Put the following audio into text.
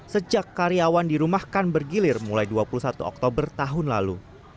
sejak karyawan dirumahkan bergilir mulai dua puluh satu oktober tahun lalu